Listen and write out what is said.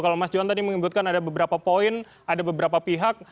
kalau mas johan tadi menyebutkan ada beberapa poin ada beberapa pihak